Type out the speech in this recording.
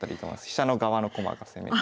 飛車の側の駒が攻めで。